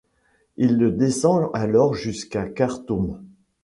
Il le descend alors jusqu'à Khartoum.